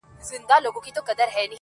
زه له فطرته عاشقي کومه ښه کومه .